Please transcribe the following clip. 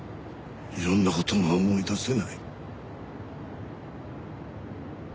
いろんな事が思い出せない。